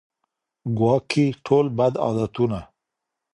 ګواکي ټول بد عادتونه